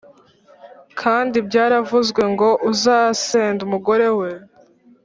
“Kandi byaravuzwe ngo ‘Uzasenda umugore we